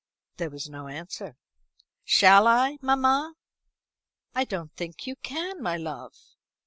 There was no answer. "Shall I, mamma?" "I don't think you can, my love."